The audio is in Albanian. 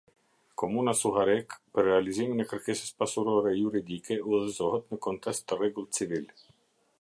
Komuna Suharekë, për realizimin e kërkesës pasurore juridike udhëzohet në kontest të rregullt civil.